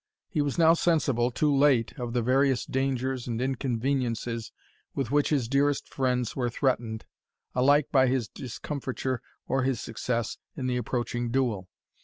He was now sensible, too late, of the various dangers and inconveniences with which his dearest friends were threatened, alike by his discomfiture or his success in the approaching duel.